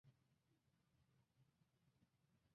第五届大奖赛冠军。